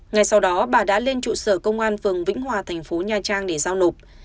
ngay sau đó bà đã lên trụ sở công an phường vĩnh hòa thành phố nha trang để giao nộp